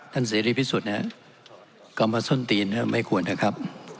ท่านเสรีพิสุทธิ์นะครับก็มาส้นตีนไม่ควรนะครับ